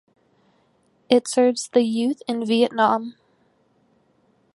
It serves the youth in Vietnam.